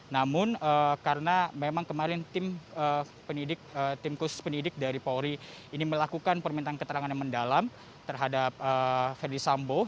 namun karena memang kemarin tim khusus pendidik dari polri ini melakukan permintaan keterangan yang mendalam terhadap verdi sambo